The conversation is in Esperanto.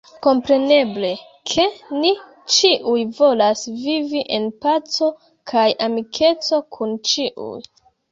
Kompreneble, ke ni ĉiuj volas vivi en paco kaj amikeco kun ĉiuj.